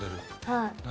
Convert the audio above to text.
はい。